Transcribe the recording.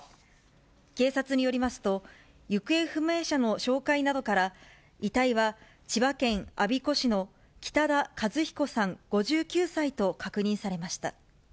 警察によりますと、行方不明者の照会などから、遺体は千葉県我孫子市の北田和彦さん５９歳と確認されました。